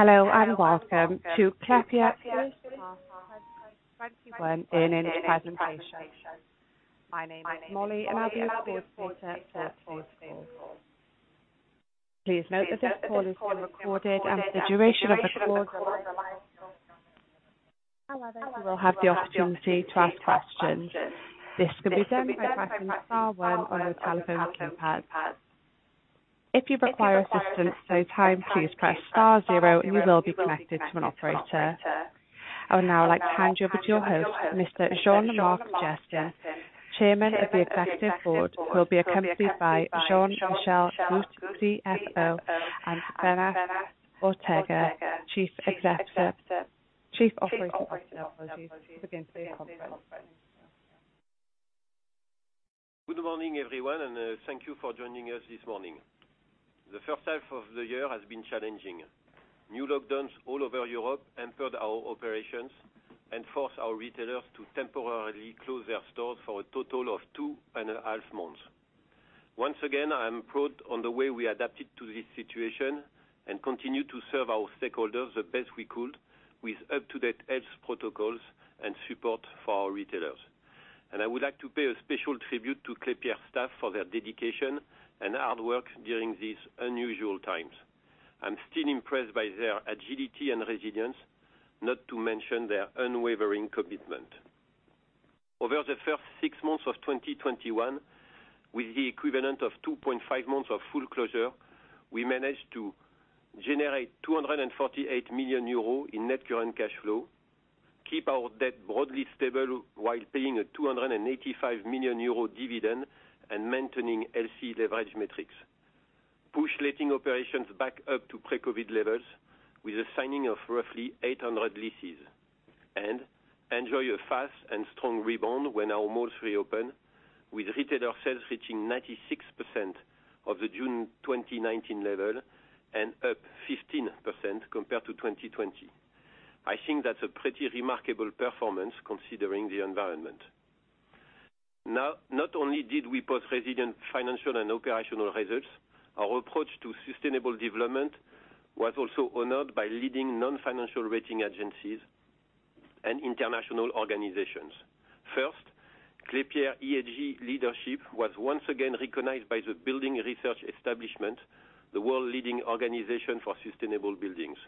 Hello, and welcome to Klépierre's first half 2021 earnings presentation. My name is Molly, and I'll be your support for today's call. Please note that this call is being recorded. You will have the opportunity to ask questions. This can be done by pressing star one on your telephone keypad. If you require assistance at any time, please press star zero and you will be connected to an operator. I would now like to hand you over to your host, Mr. Jean-Marc Jestin, Chairman of the Executive Board, who will be accompanied by Jean-Michel Gault, CFO, and Beñat Ortega, Chief Operating Officer. Apologies. Begin please conference. Good morning, everyone, and thank you for joining us this morning. The first half of the year has been challenging. New lockdowns all over Europe hampered our operations and forced our retailers to temporarily close their stores for a total of two and a half months. Once again, I am proud on the way we adapted to this situation and continued to serve our stakeholders the best we could with up-to-date health protocols and support for our retailers. I would like to pay a special tribute to Klépierre staff for their dedication and hard work during these unusual times. I'm still impressed by their agility and resilience, not to mention their unwavering commitment. Over the first six months of 2021, with the equivalent of two and a half months of full closure, we managed to generate 248 million euros in net current cash flow, keep our debt broadly stable while paying a 285 million euro dividend and maintaining L/C leverage metrics, push letting operations back up to pre-COVID levels with the signing of roughly 800 leases, and enjoy a fast and strong rebound when our malls reopen with retailer sales reaching 96% of the June 2019 level and up 15% compared to 2020. I think that's a pretty remarkable performance considering the environment. Not only did we post resilient financial and operational results, our approach to sustainable development was also honored by leading non-financial rating agencies and international organizations. First, Klépierre ESG leadership was once again recognized by the Building Research Establishment, the world leading organization for sustainable buildings.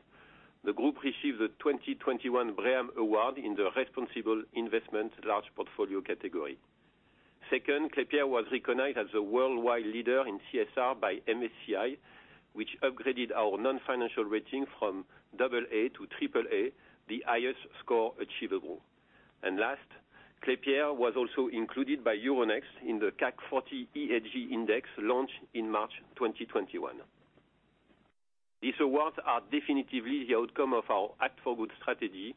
The group received the 2021 BREEAM award in the responsible investment large portfolio category. Second, Klépierre was recognized as a worldwide leader in CSR by MSCI, which upgraded our non-financial rating from double A to triple A, the highest score achievable. Last, Klépierre was also included by Euronext in the CAC 40 ESG Index launch in March 2021. These awards are definitively the outcome of our Act for Good strategy,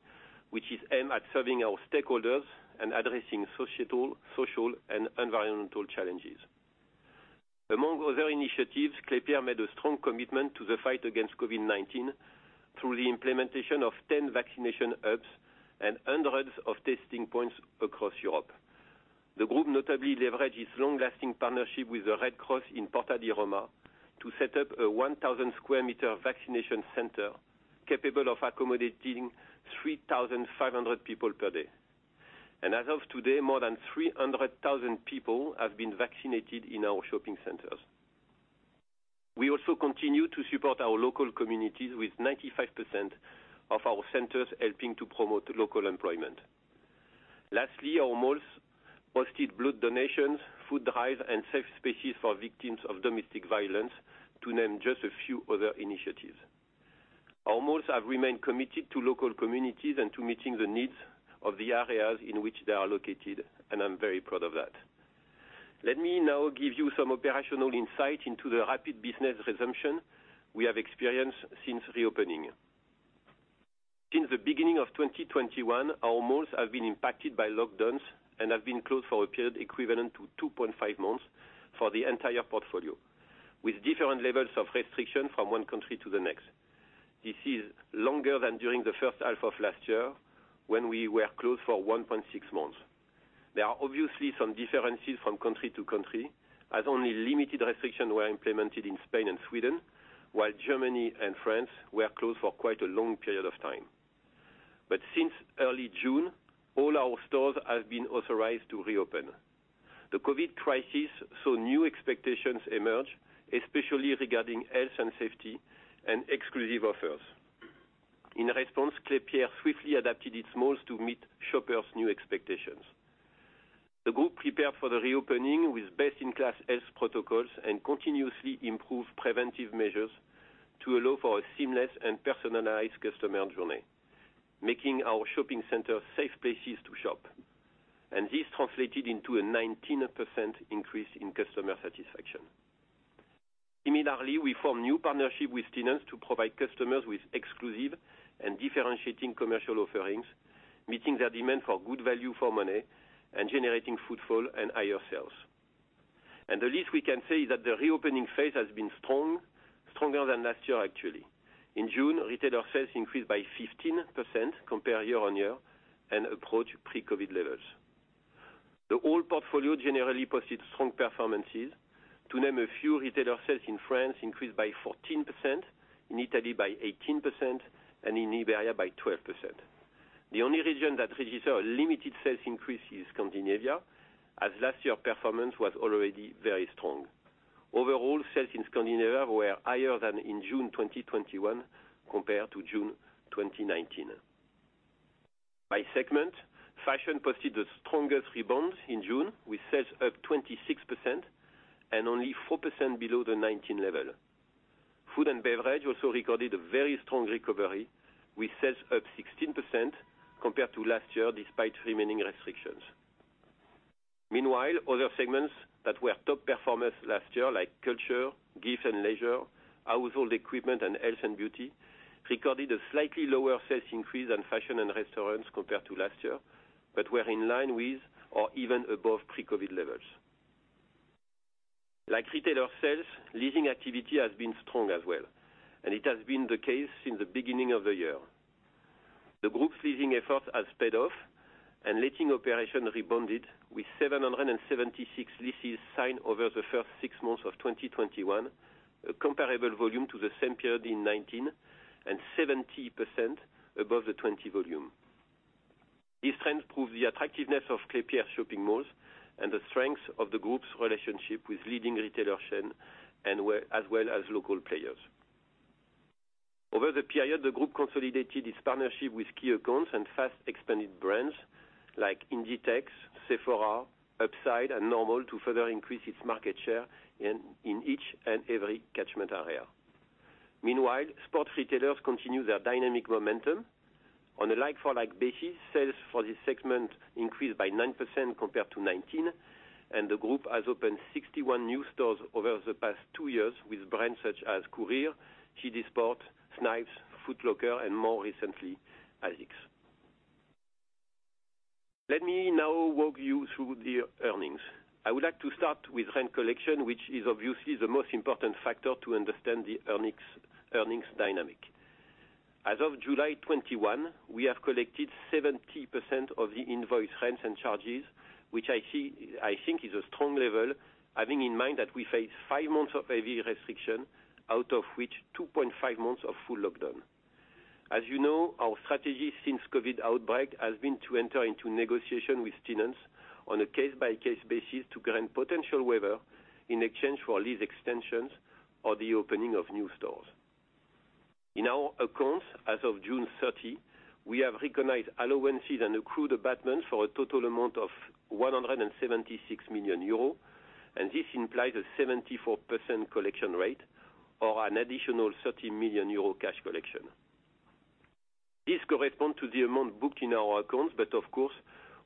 which is aimed at serving our stakeholders and addressing societal, social, and environmental challenges. Among other initiatives, Klépierre made a strong commitment to the fight against COVID-19 through the implementation of 10 vaccination hubs and hundreds of testing points across Europe. The group notably leveraged its long-lasting partnership with the Red Cross in Porta di Roma to set up a 1,000 square meter vaccination center capable of accommodating 3,500 people per day. As of today, more than 300,000 people have been vaccinated in our shopping centers. We also continue to support our local communities with 95% of our centers helping to promote local employment. Lastly, our malls hosted blood donations, food drives, and safe spaces for victims of domestic violence to name just a few other initiatives. Our malls have remained committed to local communities and to meeting the needs of the areas in which they are located, and I'm very proud of that. Let me now give you some operational insight into the rapid business resumption we have experienced since reopening. Since the beginning of 2021, our malls have been impacted by lockdowns and have been closed for a period equivalent to two and a half months months for the entire portfolio with different levels of restriction from one country to the next. This is longer than during the first half of last year when we were closed for one point six months. There are obviously some differences from country to country, as only limited restrictions were implemented in Spain and Sweden, while Germany and France were closed for quite a long period of time. Since early June, all our stores have been authorized to reopen. The COVID crisis saw new expectations emerge, especially regarding health and safety and exclusive offers. In response, Klépierre swiftly adapted its malls to meet shoppers' new expectations. The group prepared for the reopening with best-in-class health protocols and continuously improved preventive measures to allow for a seamless and personalized customer journey, making our shopping centers safe places to shop. This translated into a 19% increase in customer satisfaction. Similarly, we formed new partnership with tenants to provide customers with exclusive and differentiating commercial offerings, meeting their demand for good value for money, generating footfall and higher sales. The least we can say is that the reopening phase has been strong, stronger than last year actually. In June, retailer sales increased by 15% compared year-on-year and approached pre-COVID levels. The whole portfolio generally posted strong performances. To name a few, retailer sales in France increased by 14%, in Italy by 18%, and in Iberia by 12%. The only region that registered a limited sales increase is Scandinavia, as last year's performance was already very strong. Overall, sales in Scandinavia were higher than in June 2021 compared to June 2019. By segment, fashion posted the strongest rebound in June, with sales up 26% and only 4% below the 2019 level. Food and beverage also recorded a very strong recovery, with sales up 16% compared to last year, despite remaining restrictions. Meanwhile, other segments that were top performers last year, like culture, gift and leisure, household equipment, and health and beauty, recorded a slightly lower sales increase than fashion and restaurants compared to last year, but were in line with or even above pre-COVID levels. Like retailer sales, leasing activity has been strong as well, and it has been the case since the beginning of the year. The group's leasing efforts have paid off, and leasing operations rebounded with 776 leases signed over the first six months of 2021, a comparable volume to the same period in 2019 and 70% above the 2020 volume. These trends prove the attractiveness of Klépierre shopping malls and the strength of the group's relationship with leading retailer chains, as well as local players. Over the period, the group consolidated its partnership with key accounts and fast-expanding brands like Inditex, Sephora, Hubside, and Normal to further increase its market share in each and every catchment area. Meanwhile, sports retailers continue their dynamic momentum. On a like-for-like basis, sales for this segment increased by 9% compared to 2019, and the group has opened 61 new stores over the past two years with brands such as Courir, JD Sports, Snipes, Foot Locker, and more recently, Adidas. Let me now walk you through the earnings. I would like to start with rent collection, which is obviously the most important factor to understand the earnings dynamic. As of July 2021, we have collected 70% of the invoice rents and charges, which I think is a strong level, having in mind that we faced five months of heavy restriction, out of which two point five months of full lockdown. As you know, our strategy since COVID outbreak has been to enter into negotiation with tenants on a case-by-case basis to grant potential waiver in exchange for lease extensions or the opening of new stores. In our accounts, as of June 30, we have recognized allowances and accrued abatements for a total amount of 176 million euros, and this implies a 74% collection rate or an additional 30 million euro cash collection. This corresponds to the amount booked in our accounts, but of course,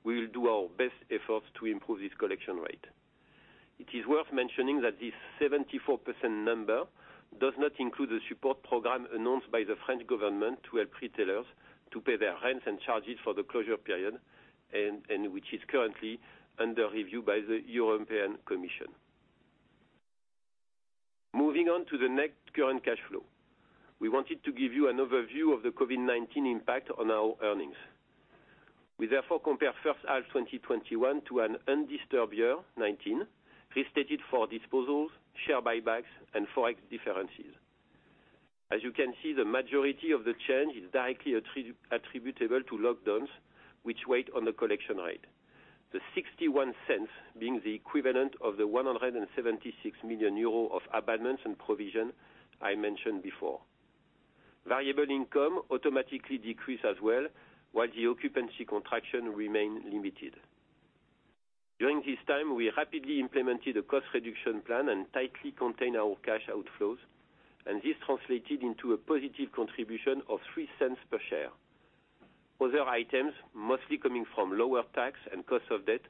we will do our best efforts to improve this collection rate. It is worth mentioning that this 74% number does not include the support program announced by the French government to help retailers to pay their rents and charges for the closure period, and which is currently under review by the European Commission. Moving on to the net current cash flow. We wanted to give you an overview of the COVID-19 impact on our earnings. We therefore compare first half 2021 to an undisturbed year, 2019, restated for disposals, share buybacks, and Forex differences. As you can see, the majority of the change is directly attributable to lockdowns, which weigh on the collection rate. The 0.61 being the equivalent of the 176 million euro of abatements and provision I mentioned before. Variable income automatically decreased as well, while the occupancy contraction remained limited. During this time, we rapidly implemented a cost reduction plan and tightly contained our cash outflows, and this translated into a positive contribution of 0.03 per share. Other items, mostly coming from lower tax and cost of debt,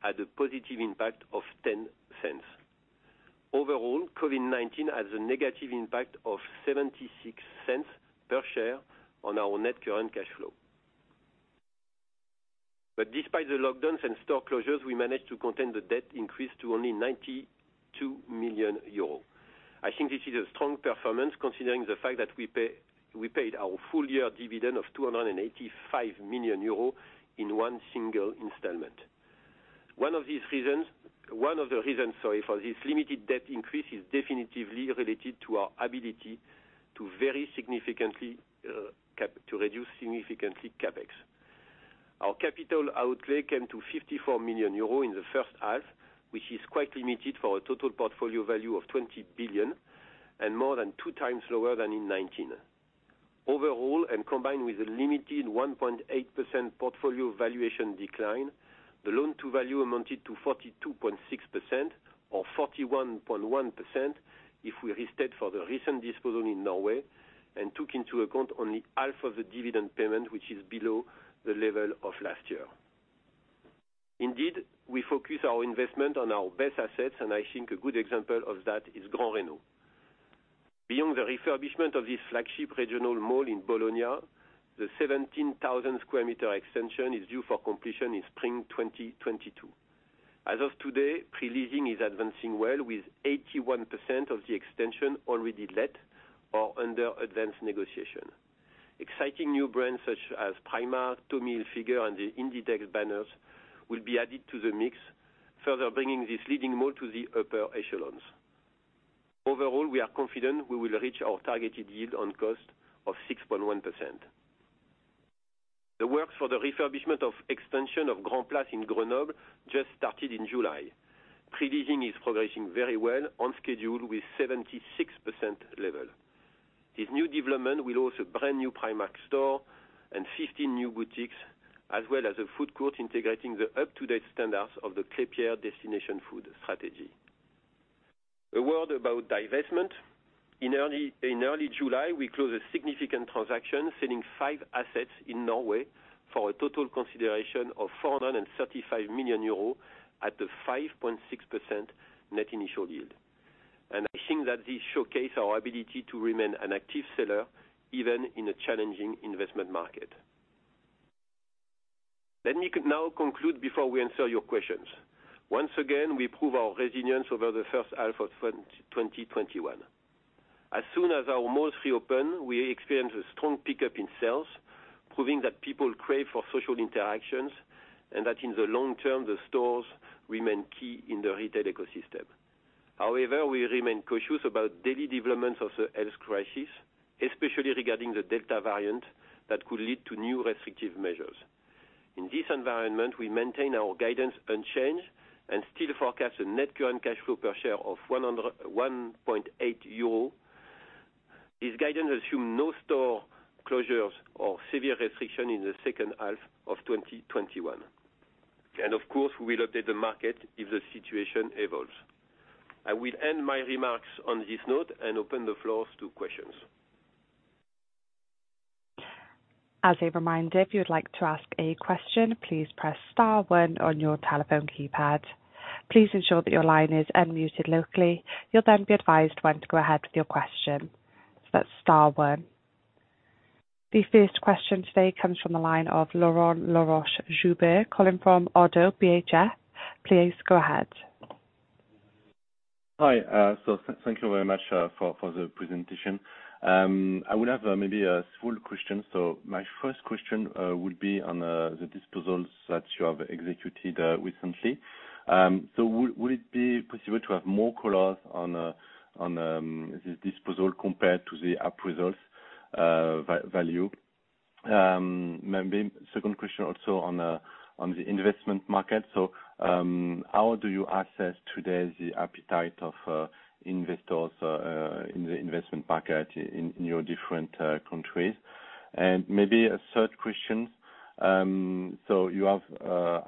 had a positive impact of 0.10. Overall, COVID-19 has a negative impact of 0.76 per share on our net current cash flow. Despite the lockdowns and store closures, we managed to contain the debt increase to only 92 million euros. I think this is a strong performance considering the fact that we paid our full-year dividend of 285 million euros in one single installment. One of the reasons for this limited debt increase is definitively related to our ability to reduce significantly CapEx. Our capital outlay came to 54 million euros in H1, which is quite limited for a total portfolio value of 20 billion and more than two times lower than in 2019. Overall, and combined with a limited 1.8% portfolio valuation decline, the loan-to-value amounted to 42.6%, or 41.1% if we restate for the recent disposal in Norway and took into account only half of the dividend payment, which is below the level of last year. Indeed, we focus our investment on our best assets, and I think a good example of that is Gran Reno. Beyond the refurbishment of this flagship regional mall in Bologna, the 17,000 square metre extension is due for completion in spring 2022. As of today, pre-leasing is advancing well, with 81% of the extension already let or under advanced negotiation. Exciting new brands such as Primark, Tommy Hilfiger, and the Inditex banners will be added to the mix, further bringing this leading mall to the upper echelons. Overall, we are confident we will reach our targeted yield on cost of 6.1%. The works for the refurbishment of expansion of Grand'Place in Grenoble just started in July. Pre-leasing is progressing very well, on schedule with 76% level. This new development will host a brand new Primark store and 15 new boutiques, as well as a food court integrating the up-to-date standards of the Klépierre Destination Food strategy. A word about divestment. In early July, we closed a significant transaction selling five assets in Norway for a total consideration of 435 million euros at the 5.6% net initial yield. I think that this showcase our ability to remain an active seller even in a challenging investment market. Let me now conclude before we answer your questions. Once again, we prove our resilience over the first half of 2021. As soon as our malls reopened, we experienced a strong pickup in sales, proving that people crave for social interactions and that in the long term, the stores remain key in the retail ecosystem. However, we remain cautious about daily developments of the health crisis, especially regarding the Delta variant that could lead to new restrictive measures. In this environment, we maintain our guidance unchanged and still forecast a net current cash flow per share of 1.8 euro. This guidance assumes no store closures or severe restriction in the second half of 2021. Of course, we will update the market if the situation evolves. I will end my remarks on this note and open the floor to questions. As a reminder, if you would like to ask a question, please press star one on your telephone keypad. Please ensure that your line is unmuted locally. You'll then be advised when to go ahead with your question. So that's star one. The first question today comes from the line of Florent Laroche-Joubert, calling from Oddo BHF. Please go ahead. Hi. Thank you very much for the presentation. I would have maybe a small question. My first question would be on the disposals that you have executed recently. Would it be possible to have more colors on this disposal compared to the appraiser value? Maybe second question also on the investment market. How do you assess today the appetite of investors in the investment market in your different countries? Maybe a third question. You have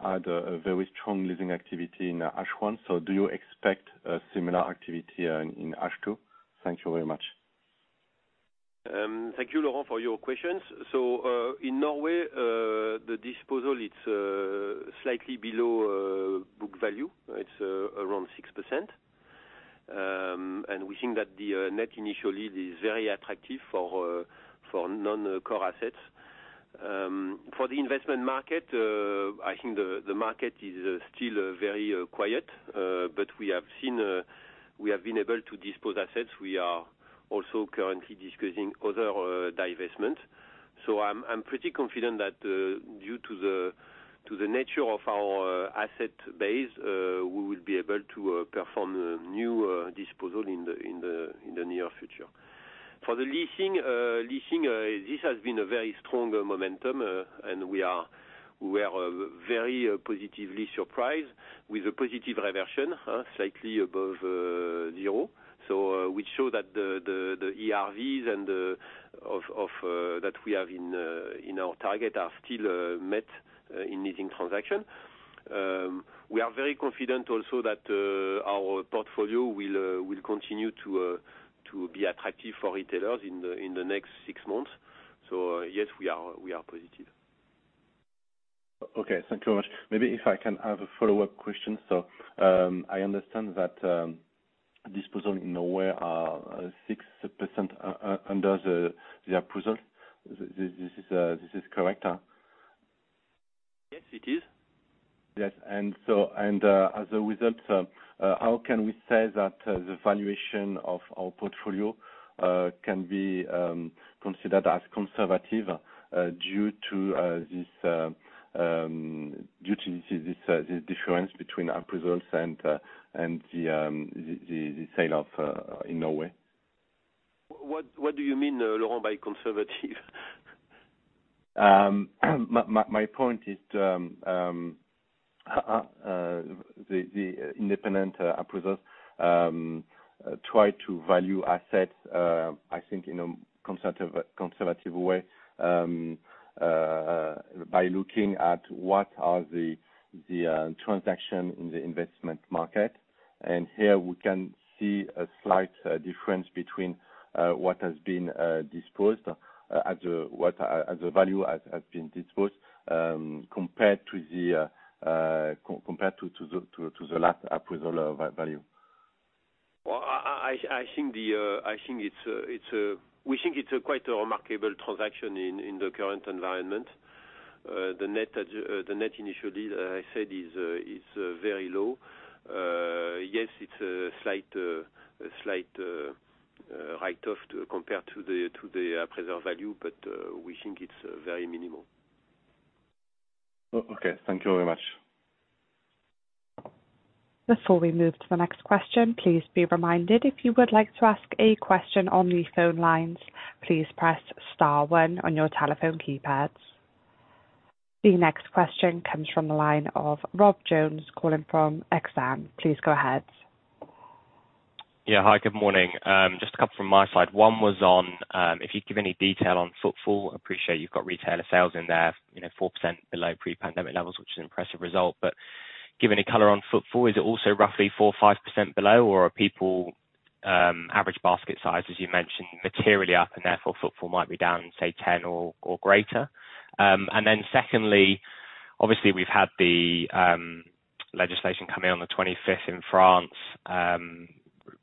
had a very strong leasing activity in H1. Do you expect a similar activity in H2? Thank you very much. Thank you, Florent, for your questions. In Norway, the disposal, it's slightly below book value. It's around 6%. We think that the net initial yield is very attractive for non-core assets. For the investment market, I think the market is still very quiet. We have been able to dispose assets. We are also currently discussing other divestment. I'm pretty confident that due to the nature of our asset base, we will be able to perform a new disposal in the near future. For the leasing, this has been a very strong momentum, and we are very positively surprised with a positive reversion, slightly above zero. Which show that the ERVs that we have in our target are still met in leasing transaction. We are very confident also that our portfolio will continue to be attractive for retailers in the next six months. Yes, we are positive. Okay. Thank you very much. Maybe if I can have a follow-up question. I understand that disposal in Norway are 6% under the appraisal. This is correct? Yes, it is. Yes. As a result, how can we say that the valuation of our portfolio can be considered as conservative due to this difference between Appraiser and the sale in Norway? What do you mean, Florent, by conservative? My point is the independent Appraiser try to value assets, I think, in a conservative way by looking at what are the transaction in the investment market. Here we can see a slight difference between what has been disposed as a value has been disposed compared to the last appraisal value. We think it's quite a remarkable transaction in the current environment. The net initial yield, as I said, is very low. Yes, it's a slight write-off compared to the present value, but we think it's very minimal. Okay. Thank you very much. Before we move to the next question, please be reminded, if you would like to ask a question on the phone lines, please press star one on your telephone keypads. The next question comes from the line of Rob Jones calling from Exane. Please go ahead. Yeah. Hi, good morning. Just a couple from my side. One was on, if you'd give any detail on footfall. Appreciate you've got retailer sales in there, 4% below pre-pandemic levels, which is an impressive result. Give any color on footfall. Is it also roughly 4% or 5% below, or are people, average basket size, as you mentioned, materially up and therefore footfall might be down, say 10% or greater? Secondly, obviously we've had the legislation coming on the 25th in France,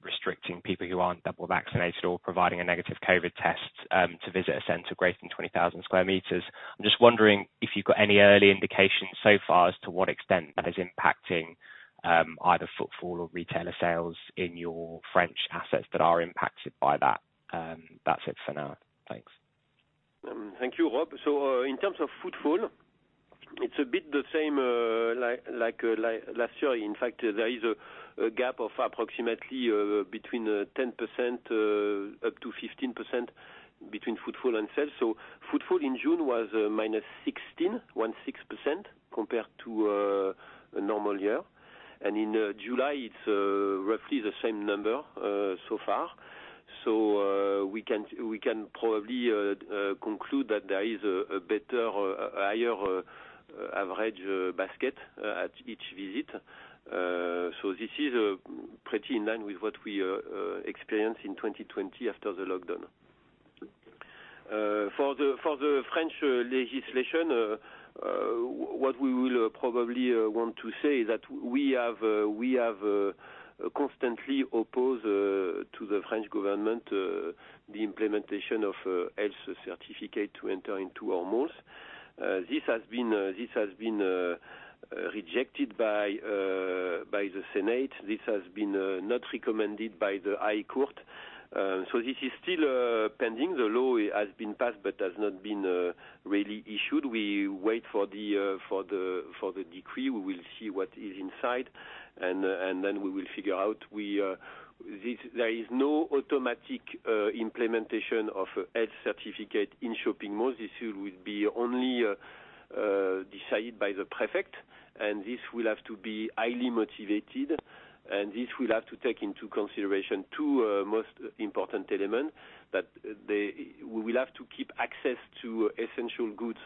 restricting people who aren't double vaccinated or providing a negative COVID test to visit a center greater than 20,000 sq m. I'm just wondering if you've got any early indication so far as to what extent that is impacting either footfall or retailer sales in your French assets that are impacted by that. That's it for now. Thanks. Thank you, Rob. In terms of footfall, it's a bit the same like last year. In fact, there is a gap of approximately 10%-15% between footfall and sales. Footfall in June was -16%, compared to a normal year. In July it's roughly the same number so far. We can probably conclude that there is a better, higher average basket at each visit. This is pretty in line with what we experienced in 2020 after the lockdown. For the French legislation, what we will probably want to say is that we have constantly opposed to the French government the implementation of health certificate to enter into our malls. This has been rejected by the Senate. This has been not recommended by the High Court. This is still pending. The law has been passed but has not been really issued. We wait for the decree. We will see what is inside and then we will figure out. There is no automatic implementation of health certificate in shopping malls. This will be only decided by the prefect, and this will have to be highly motivated, and this will have to take into consideration two most important elements, that we will have to keep access to essential goods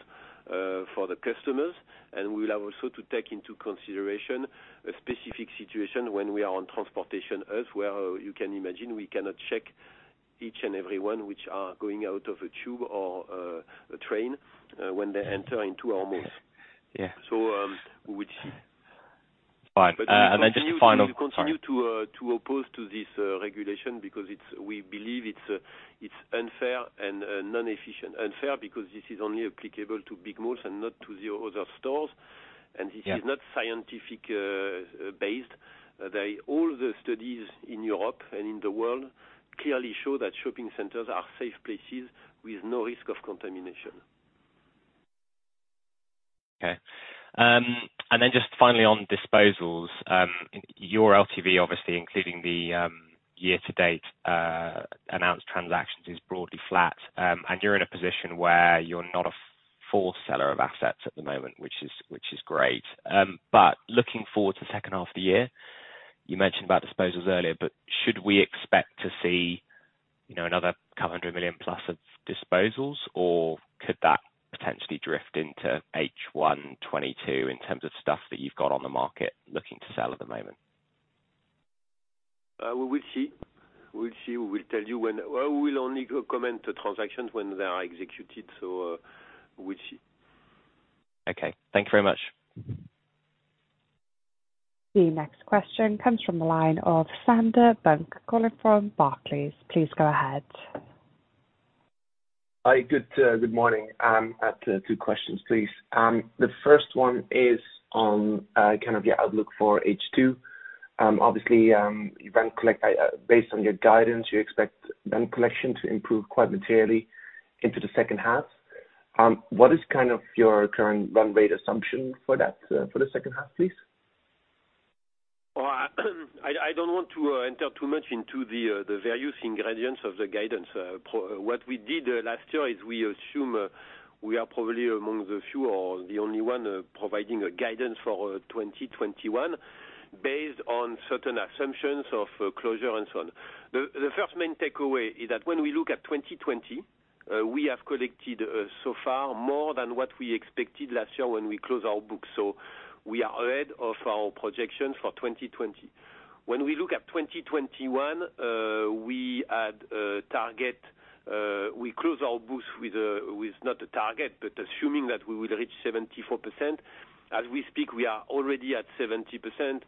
for the customers, and we will have also to take into consideration a specific situation when we are on transportation hubs where, you can imagine, we cannot check each and every 1 which are going out of a tube or a train when they enter into our malls. Yeah. We would see. Fine. Sorry. We will continue to oppose to this regulation because we believe it's unfair and non-efficient. Unfair because this is only applicable to big malls and not to the other stores, and this is not scientific based. All the studies in Europe and in the world clearly show that shopping centers are safe places with no risk of contamination. Okay. Just finally on disposals. Your LTV, obviously including the year to date announced transactions is broadly flat. You're in a position where you're not a full seller of assets at the moment, which is great. Looking forward to the second half of the year, you mentioned about disposals earlier, but should we expect to see another 200 million+ of disposals, or could that potentially drift into H1 2022 in terms of stuff that you've got on the market looking to sell at the moment? We will see. We will only comment the transactions when they are executed. We will see. Okay. Thank you very much. The next question comes from the line of Sander Bunck calling from Barclays. Please go ahead. Hi, good morning. I have two questions, please. The first one is on kind of your outlook for H2. Obviously, based on your guidance, you expect rent collection to improve quite materially into the second half. What is kind of your current run rate assumption for that for the second half, please? I don't want to enter too much into the various ingredients of the guidance. What we did last year is we assume we are probably among the few or the only one providing a guidance for 2021 based on certain assumptions of closure and so on. The first main takeaway is that when we look at 2020, we have collected so far more than what we expected last year when we closed our books. We are ahead of our projections for 2020. When we look at 2021, we had a target. We closed our books with not a target, but assuming that we will reach 74%. As we speak, we are already at 70%,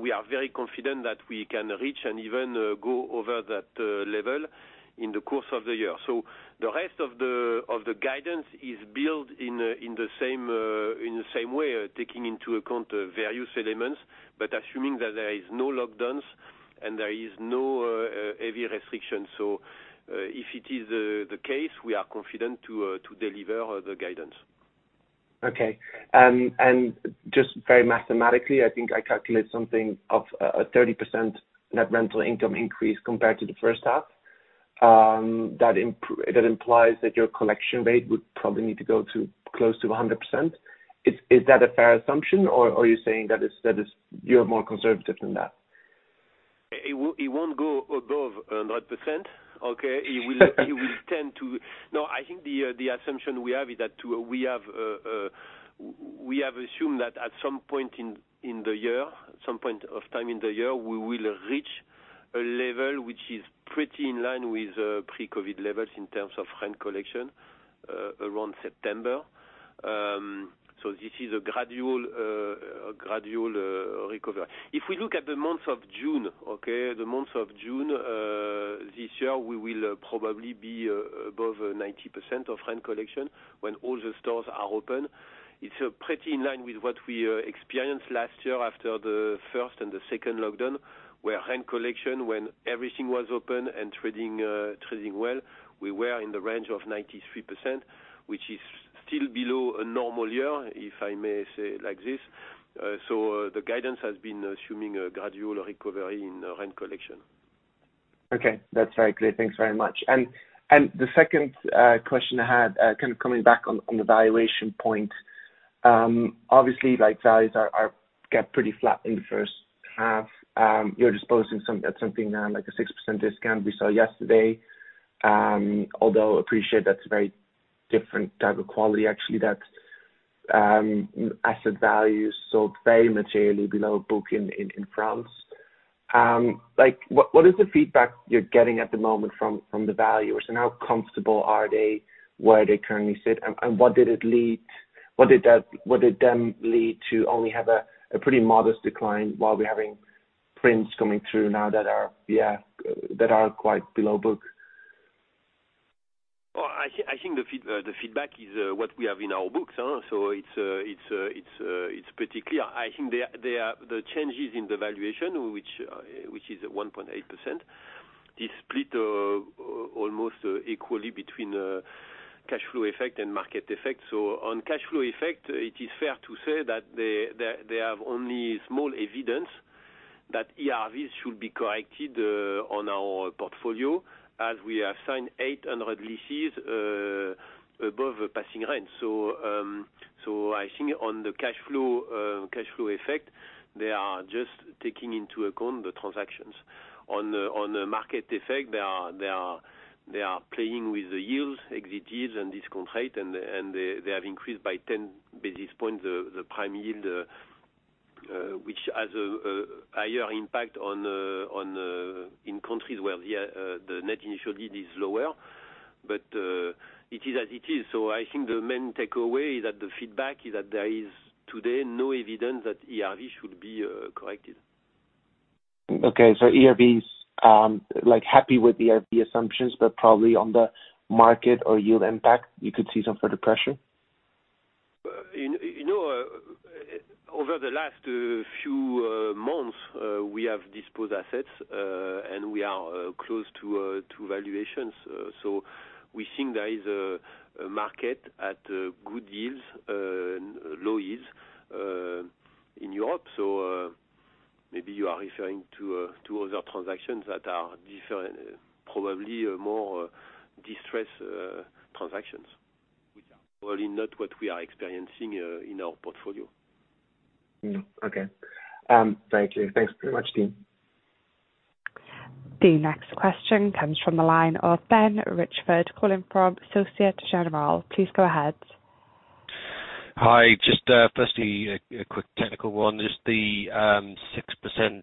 we are very confident that we can reach and even go over that level in the course of the year. The rest of the guidance is built in the same way, taking into account various elements, but assuming that there is no lockdowns and there is no heavy restrictions. If it is the case, we are confident to deliver the guidance. Okay. Just very mathematically, I think I calculate something of a 30% net rental income increase compared to the first half. That implies that your collection rate would probably need to go close to 100%. Is that a fair assumption or are you saying that you're more conservative than that? It won't go above 100%, okay? No, I think the assumption we have is that we have assumed that at some point in the year, some point of time in the year, we will reach a level which is pretty in line with pre-COVID levels in terms of rent collection around September. This is a gradual recovery. If we look at the month of June, okay? The month of June this year, we will probably be above 90% of rent collection when all the stores are open. It's pretty in line with what we experienced last year after the first and the second lockdown, where rent collection, when everything was open and trading well, we were in the range of 93%, which is still below a normal year, if I may say it like this. The guidance has been assuming a gradual recovery in rent collection. Okay. That's very clear. Thanks very much. The second question I had, kind of coming back on the valuation point. Obviously, values get pretty flat in the first half. You're disposing at something like a 6% discount we saw yesterday. I appreciate that's a very different type of quality, actually, that asset value sold very materially below book in France. What is the feedback you're getting at the moment from the valuers, and how comfortable are they where they currently sit, and what did them lead to only have a pretty modest decline while we're having prints coming through now that are quite below book? Well, I think the feedback is what we have in our books, so it's pretty clear. I think the changes in the valuation, which is at 1.8%, is split almost equally between cash flow effect and market effect. On cash flow effect, it is fair to say that they have only small evidence that ERVs should be corrected on our portfolio as we have signed 800 leases above passing rent. I think on the cash flow effect, they are just taking into account the transactions. On the market effect, they are playing with the yields, exit yields and discount rate, and they have increased by 10 basis points the prime yield, which has a higher impact in countries where the net initial yield is lower. It is as it is. I think the main takeaway is that the feedback is that there is today no evidence that ERV should be corrected. Okay. Like happy with the ERV assumptions, but probably on the market or yield impact, you could see some further pressure? Over the last few months, we have disposed assets, we are close to valuations. We think there is a market at good yields, low yields in Europe. Maybe you are referring to other transactions that are different, probably more distressed transactions, which are probably not what we are experiencing in our portfolio. No. Okay. Thank you. Thanks very much, team. The next question comes from the line of Ben Richford calling from Societe Generale. Please go ahead. Hi. Just firstly, a quick technical one. Just the 6%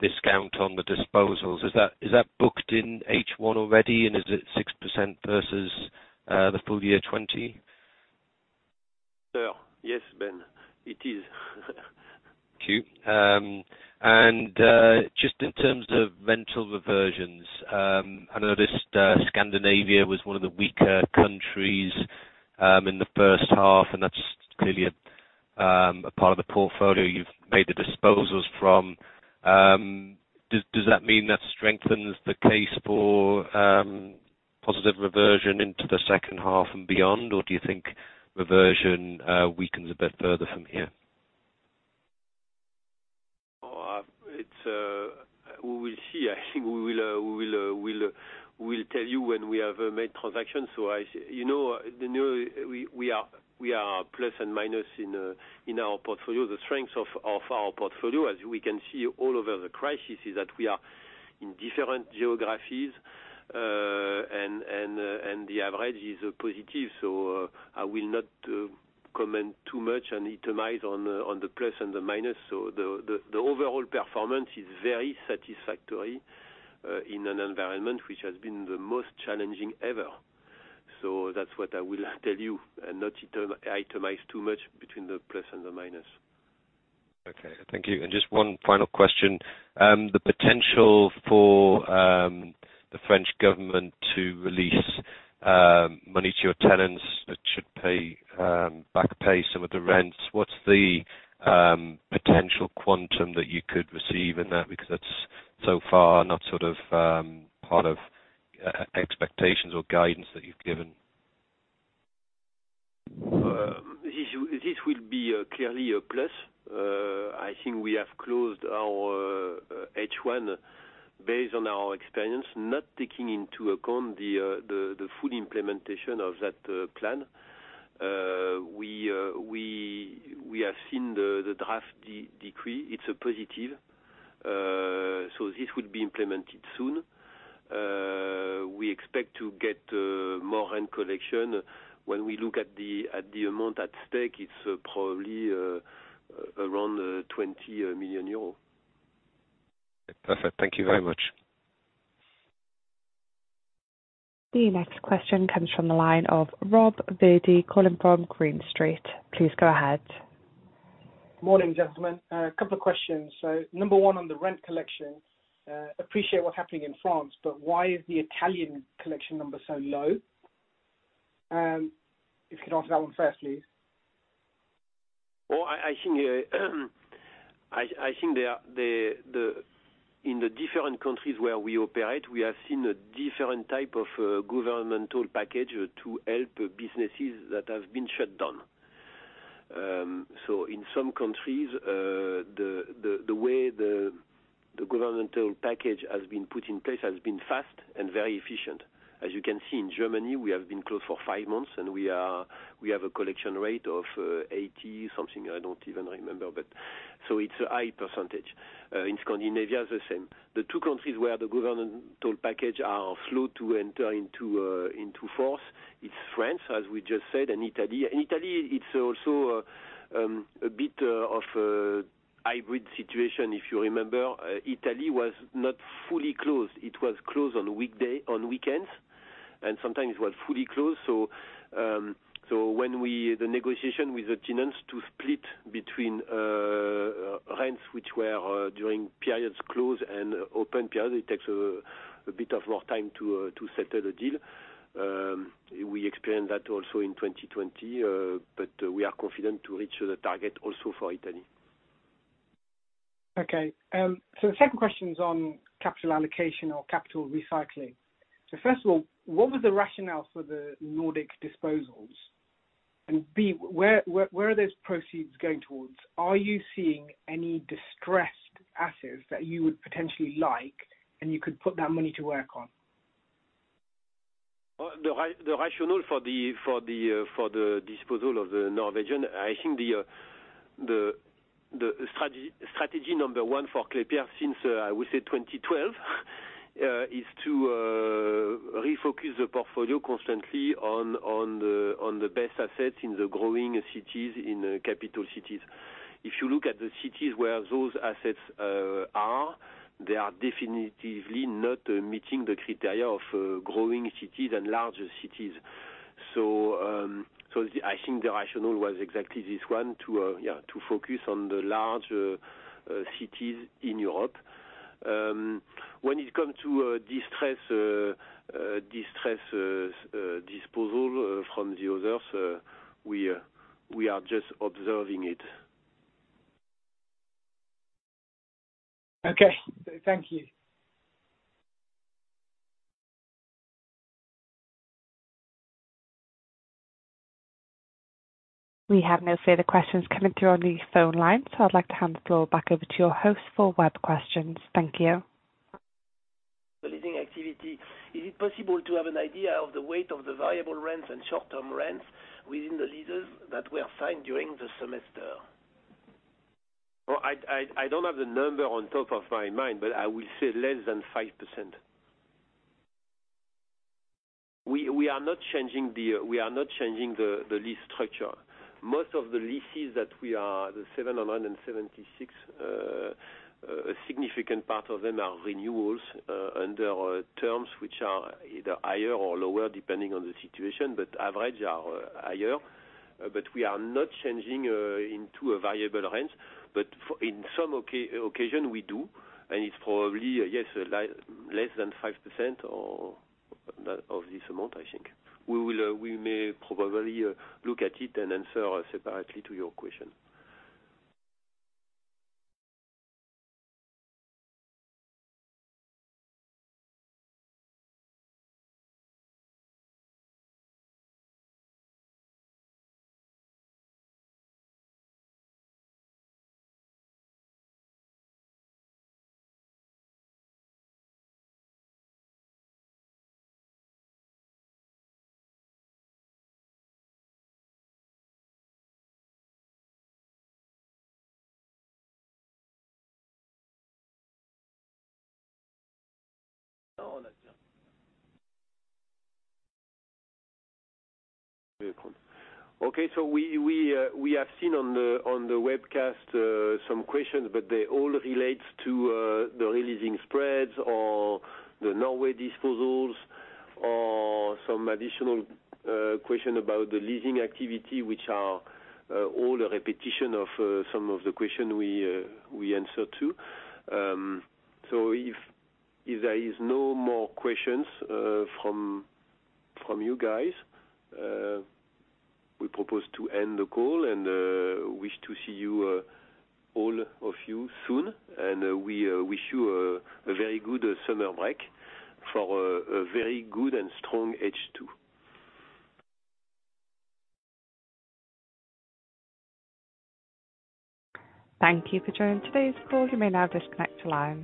discount on the disposals. Is that booked in H1 already, and is it 6% versus the full year 2020? Sure. Yes, Ben, it is. Thank you. Just in terms of rental reversions, I noticed Scandinavia was one of the weaker countries in the first half, and that's clearly a part of the portfolio you've made the disposals from. Does that mean that strengthens the case for positive reversion into the second half and beyond, or do you think reversion weakens a bit further from here? We will see. I think we'll tell you when we have made transactions. We are plus and minus in our portfolio. The strength of our portfolio, as we can see all over the crisis, is that we are in different geographies, and the average is positive. I will not comment too much and itemize on the plus and the minus. The overall performance is very satisfactory in an environment which has been the most challenging ever. That's what I will tell you and not itemize too much between the plus and the minus. Okay. Thank you. Just one final question. The potential for the French government to release money to your tenants that should back pay some of the rents. What's the potential quantum that you could receive in that? Because that's so far not part of expectations or guidance that you've given. This will be clearly a plus. I think we have closed our H1 based on our experience, not taking into account the full implementation of that plan. We have seen the draft decree. It's a positive. This would be implemented soon. We expect to get more rent collection. When we look at the amount at stake, it's probably around 20 million euros. Perfect. Thank you very much. The next question comes from the line of Rob Virdee calling from Green Street. Please go ahead. Morning, gentlemen. A couple of questions. Number one on the rent collection. Appreciate what's happening in France, why is the Italian collection number so low? If you could answer that one first, please. I think in the different countries where we operate, we have seen a different type of governmental package to help businesses that have been shut down. In some countries, the way the governmental package has been put in place has been fast and very efficient. As you can see in Germany, we have been closed for five months, and we have a collection rate of 80 something, I don't even remember. It's a high percentage. In Scandinavia, it's the same. The two countries where the governmental package are slow to enter into force, it's France, as we just said, and Italy. In Italy, it's also a bit of a hybrid situation. If you remember, Italy was not fully closed. It was closed on weekends, and sometimes it was fully closed. When the negotiation with the tenants to split between rents, which were during periods closed and open periods, it takes a bit of more time to settle the deal. We experienced that also in 2020, we are confident to reach the target also for Italy. Okay. The second question is on capital allocation or capital recycling. First of all, what was the rationale for the Nordic disposals? B, where are those proceeds going towards? Are you seeing any distressed assets that you would potentially like and you could put that money to work on? The rationale for the disposal of the Norwegian, I think the strategy number one for Klépierre since, I would say 2012, is to refocus the portfolio constantly on the best assets in the growing cities, in capital cities. If you look at the cities where those assets are, they are definitively not meeting the criteria of growing cities and larger cities. I think the rationale was exactly this one, to focus on the larger cities in Europe. When it comes to distress disposal from the others, we are just observing it. Okay. Thank you. We have no further questions coming through on the phone line. I'd like to hand the floor back over to your host for web questions. Thank you. The leasing activity. Is it possible to have an idea of the weight of the variable rents and short-term rents within the leases that were signed during the semester? Well, I don't have the number on top of my mind, but I will say less than 5%. We are not changing the lease structure. Most of the leases that we are, the 776, a significant part of them are renewals under terms which are either higher or lower, depending on the situation, but average are higher. We are not changing into a variable rent. In some occasion, we do, and it's probably, yes, less than 5% of this amount, I think. We may probably look at it and answer separately to your question. We have seen on the webcast, some questions, they all relate to the re-leasing spreads or the Norway disposals or some additional question about the leasing activity, which are all a repetition of some of the question we answer to. If there is no more questions from you guys, we propose to end the call and wish to see all of you soon. We wish you a very good summer break for a very good and strong H2. Thank you for joining today's call. You may now disconnect your lines.